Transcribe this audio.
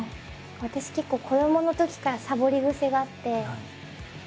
私結構子どものときからサボり癖があって。